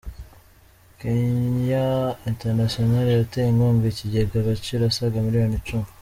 keya enterinasiyonal yateye inkunga ikigega Agaciro asaga miliyoni icumi